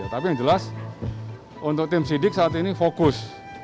tapi yang jelas untuk tim sidik saat ini fokus